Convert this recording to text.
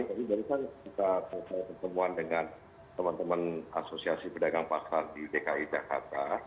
tapi dari saat kita bertemu dengan teman teman asosiasi pedagang pasar di dki jakarta